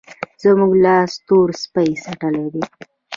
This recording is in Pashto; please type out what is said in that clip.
زموږ لاس تور سپی څټلی دی.